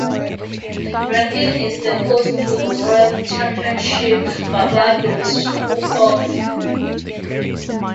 Rankin is the host to the World Championship Barbados Cookoff.